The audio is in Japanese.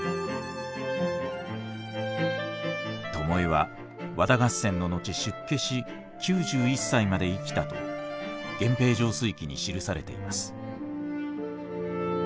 巴は和田合戦の後出家し９１歳まで生きたと「源平盛衰記」に記されています。